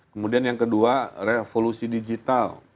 kemudian yang kedua revolusi digital